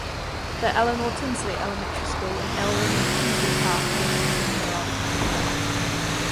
The Eleanor Tinsley Elementary School and Eleanor Tinsley Park were named in her honor.